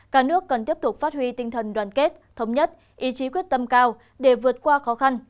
cả nước cần tiếp tục phát huy tinh thần đoàn kết thống nhất ý chí quyết tâm cao để vượt qua khó khăn